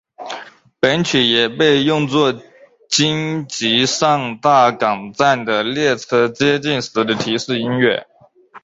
本曲也被用作京急上大冈站的列车接近时的提示音乐。